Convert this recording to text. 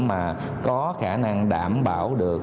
mà có khả năng đảm bảo được